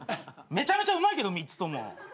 めちゃめちゃうまいけど３つとも。